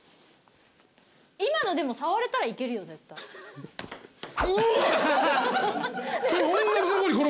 今のでも触れたらいけるよ絶対。